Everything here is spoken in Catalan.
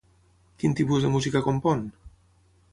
Quin tipus de música compon?